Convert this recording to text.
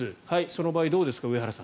その場合、どうですか。